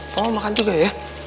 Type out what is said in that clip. mau makan juga ya